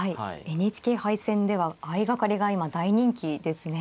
ＮＨＫ杯戦では相掛かりが今大人気ですね。